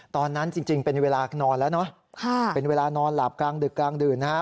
ตอนนั้นจริงเป็นเวลานอนแล้วเนอะเป็นเวลานอนหลับกลางดึกกลางดื่นนะฮะ